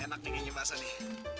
enak nih ini basah nih